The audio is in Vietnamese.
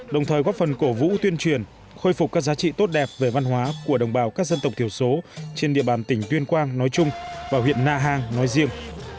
đồng thời góp phần cổ vũ tuyên truyền khôi phục các giá trị tốt đẹp về văn hóa của đồng bào các dân tộc thiểu số trên địa bàn tỉnh tuyên quang nói chung và huyện na hàng nói riêng